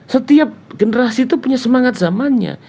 setiap generasi itu punya semangat zamannya